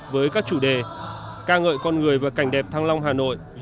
với các chủ đề ca ngợi con người và cảnh đẹp thăng long hà nội